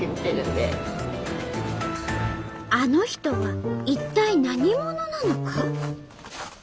あの人は一体何者なのか？